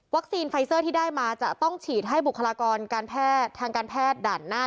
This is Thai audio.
วัคซีนไฟซอร์ที่ได้มาจะต้องฉีดให้บุคลากรทางการแพทย์ด่านหน้า